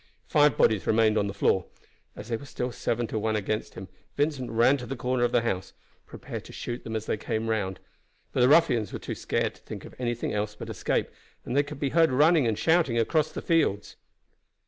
Five bodies remained on the floor. As they were still seven to one against him, Vincent ran to the corner of the house, prepared to shoot them as they came round; but the ruffians were too scared to think of anything but escape, and they could be heard running and shouting across the fields.